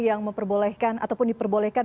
yang memperbolehkan ataupun diperbolehkan